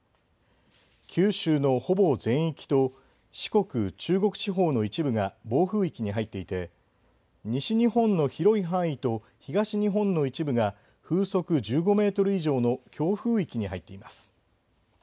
九州のほぼ全域と四国、中国地方の一部が暴風域に入っていて西日本の広い範囲と東日本の一部が風速１５メートル以上の強風域に入っています。